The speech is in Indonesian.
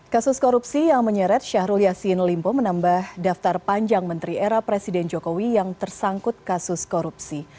kasus korupsi yang menyeret syahrul yassin limpo menambah daftar panjang menteri era presiden jokowi yang tersangkut kasus korupsi